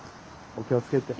お気をつけて。